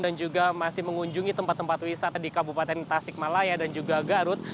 dan juga masih mengunjungi tempat tempat wisata di kabupaten tasikmalaya dan juga garut